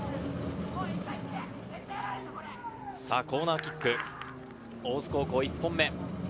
コーナーキック、大津高校、１本目。